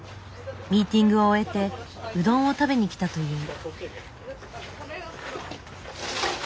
ミーティングを終えてうどんを食べに来たという。